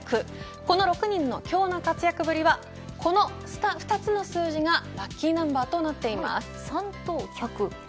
この６人の今日の活躍ぶりはこの２つの数字がラッキーナンバーと３と１００。